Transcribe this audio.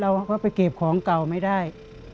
เราก็ไปเก็บของเก่าไม่ได้